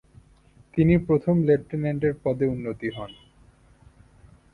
তিনি প্রথম লেফ্টানেন্টের পদে উন্নীত হন।